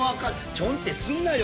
ちょんってすんなよ。